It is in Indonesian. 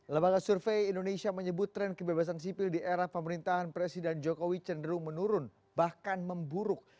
lembaga survei indonesia menyebut tren kebebasan sipil di era pemerintahan presiden jokowi cenderung menurun bahkan memburuk